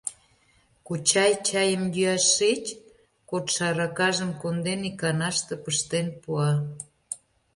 — Кочай, чайым йӱаш шич! — кодшо аракажым конден, иканаште пыштен пуа.